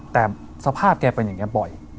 แต่สภาพแกเป็นอย่างนี้บ่อย